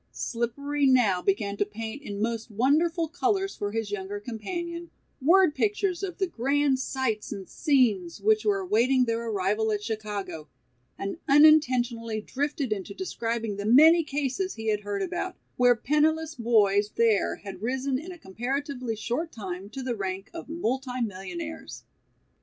Slippery now began to paint in most wonderful colors for his younger companion, word pictures of the grand sights and scenes which were awaiting their arrival at Chicago, and unintentionally drifted into describing the many cases he had heard about, where penniless boys there had risen in a comparatively short time to the rank of multimillionaires.